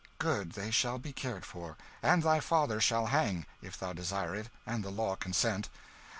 Good; they shall be cared for and thy father shall hang, if thou desire it and the law consent.